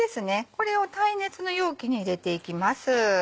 これを耐熱の容器に入れていきます。